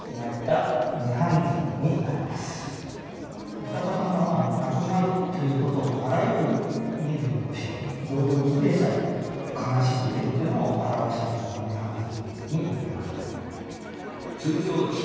お釈様が亡くなるということをあらゆる身分の人動物でさえ悲しんでいるというのを表したものが「涅槃図」になりますかね。